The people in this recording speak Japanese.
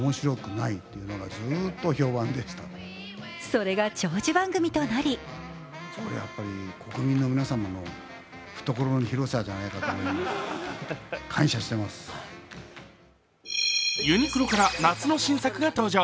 それが長寿番組となりユニクロから夏の新作が登場。